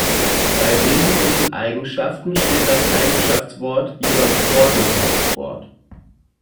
Bei wesentlichen Eigenschaften steht das Eigenschaftswort jedoch vor dem Hauptwort.